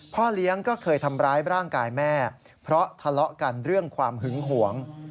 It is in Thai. พ่อเลี้ยงก็เคยทำร้ายร่างกายแม่เพราะทะเลาะกันเรื่องความหึงหวง